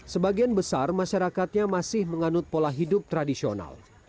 sebagian besar masyarakatnya masih menganut pola hidup tradisional